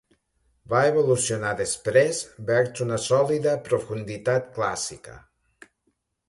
Va evolucionar després vers una sòlida profunditat clàssica.